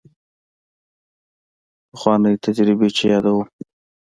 پخوانۍ تجربې چې یادوو.